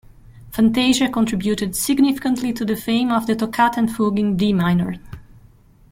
"Fantasia" contributed significantly to the fame of the Toccata and Fugue in D minor.